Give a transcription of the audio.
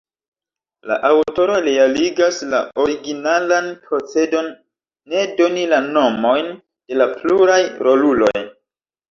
La aŭtoro realigas la originalan procedon ne doni la nomojn de la pluraj roluloj.